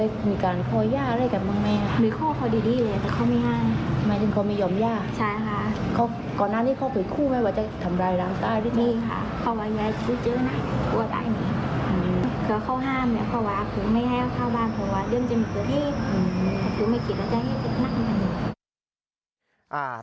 อืมถือไม่คิดแล้วจะให้พรุ่งนั่งให้มัน